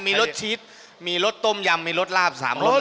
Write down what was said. มีรสชีสมีรสต้มยำมีรสลาบ๓รส